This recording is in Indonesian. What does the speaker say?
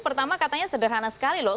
pertama katanya sederhana sekali loh